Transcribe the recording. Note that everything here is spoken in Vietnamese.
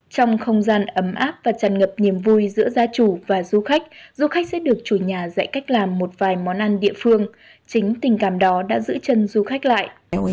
trong không gian ấm áp và tràn ngập niềm vui giữa gia chủ và du khách du khách sẽ được chủ nhà dạy cách làm một vài món ăn địa phương chính tình cảm đó đã giữ chân du khách lại